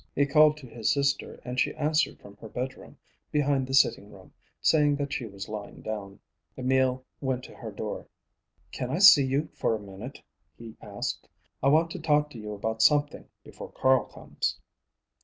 He called to his sister and she answered from her bedroom, behind the sitting room, saying that she was lying down. Emil went to her door. "Can I see you for a minute?" he asked. "I want to talk to you about something before Carl comes."